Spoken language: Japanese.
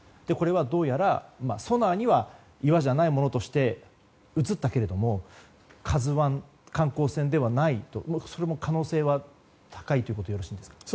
どうやらソナーには岩じゃないものとして映ったけど「ＫＡＺＵ１」観光船ではないとその可能性は高いということですか？